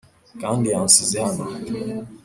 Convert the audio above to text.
kandi yansize hano